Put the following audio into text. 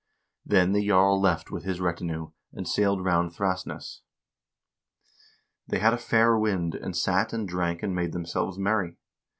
Then the jarl left with his retinue, and sailed round Thrasness. They had a fair wind, and sat and drank and made themselves merry.